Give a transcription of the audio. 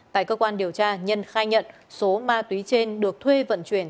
tại cơ quan điều tra nhân khai nhận số ma túy trên được thuê vận chuyển